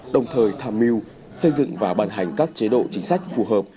đồng thời tham mưu xây dựng và bàn hành các chế độ chính sách phù hợp